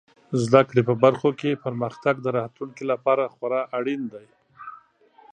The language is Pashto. زده کړې په برخو کې پرمختګ د راتلونکي لپاره خورا اړین دی.